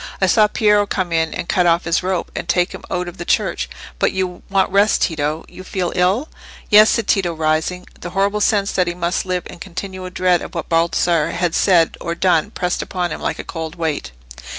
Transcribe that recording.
I saw Piero come in and cut off his rope, and take him out of the church. But you want rest, Tito? You feel ill?" "Yes," said Tito, rising. The horrible sense that he must live in continual dread of what Baldassarre had said or done pressed upon him like a cold weight.